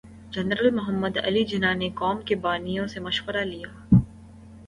general Muhammad Ali Jinnah نے قوم کے بانیوں سے مشورہ لیا